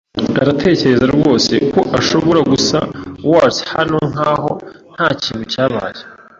Aratekereza rwose ko ashobora gusa waltz hano nkaho ntakintu cyabaye?